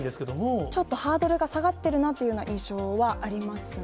ちょっとハードルが下がってるなという印象はありますね。